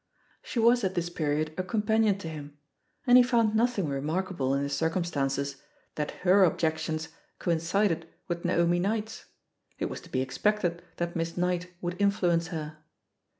She was at this period a companion to him, and he found nothing remarkable in the circumstances that her objections coincided with Naomi Knight's — ^it was to be expected that Miss iKnight would in fluence her.